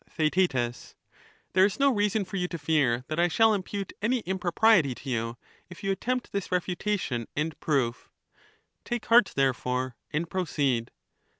Theaet There is no reason for you to fear that I shall impute any impropriety to you, if you attempt this refutation and proof; take heart, therefore, and proceed.